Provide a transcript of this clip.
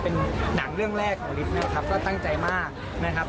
เป็นหนังเรื่องแรกของฤทธิ์นะครับก็ตั้งใจมากนะครับ